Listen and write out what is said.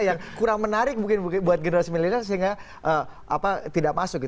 yang kurang menarik mungkin buat generasi milenial sehingga tidak masuk